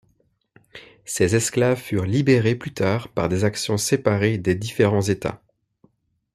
Ces esclaves furent libérés plus tard par des actions séparées des différents États.